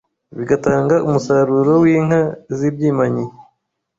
bigatanga umusaruro w’inka z’ibyimanyi,